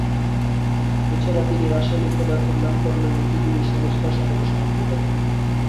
এছাড়া তিনি রাসায়নিক পদার্থের নামকরণের নীতিগুলির সংস্কার সাধনে সাহায্য করেন।